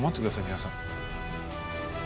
皆さん。